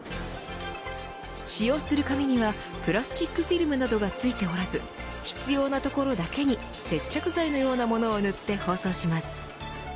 使用する紙にはプラスチックフィルムなどが付いておらず必要なところだけに接着剤のようなものをぬって包装します。